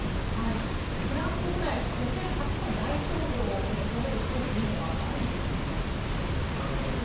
フランス国内、女性初の大統領を求める声というのはあるんでしょうか。